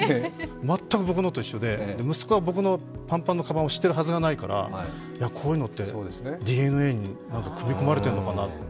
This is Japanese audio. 全く僕のと一緒で息子は僕のパンパンのかばんを知っているはずがないから、こういうのって、ＤＮＡに組み込まれているかなって。